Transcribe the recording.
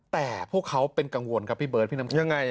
แต่พวกเขาเป็นกังวลครับพี่เบิร์ดพี่น้ำยังไง